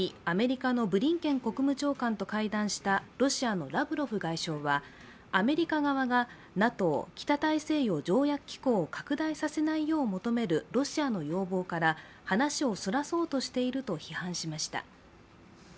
アメリカのブリンケン国務長官と会談したロシアのラブロフ外相は、アメリカ側がＮＡＴＯ＝北大西洋条約機構を拡大させないよう求めるロシアの要望から話をそらそうとしていると批判しました。